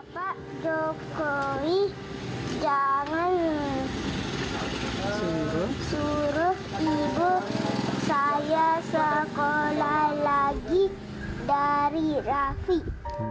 pak jokowi jangan suruh ibu saya sekolah lagi dari rafi